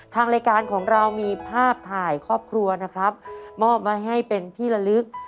ทางรายการของเรามีภาพถ่ายครอบครัวนะครับมอบมาให้เป็นที่ละลึก